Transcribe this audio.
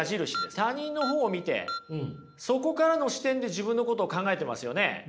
他人のほうを見てそこからの視点で自分のことを考えてますよね。